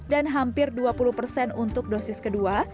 dan hampir dua puluh persen untuk dosis kedua